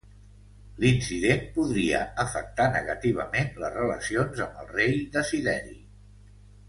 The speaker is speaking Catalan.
L'incident podria afectar negativament les relacions amb el rei Desideri.